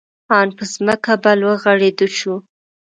آن په ځمکه په لوغړېدو شو.